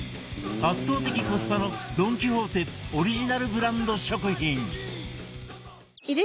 圧倒的コスパのドン・キホーテオリジナルブランド食品